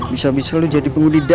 bisa bisa lo jadi penggudi danau